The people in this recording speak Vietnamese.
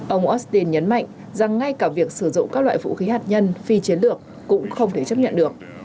ông austin nhấn mạnh rằng ngay cả việc sử dụng các loại vũ khí hạt nhân phi chiến lược cũng không thể chấp nhận được